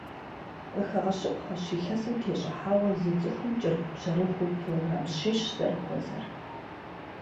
Къыхэгъэщыпхъэщ, илъэсым тещӏыхьауэ зы цӏыхум кӏэрыхубжьэрыхуу килограмм щищ зэрыхуэзэр.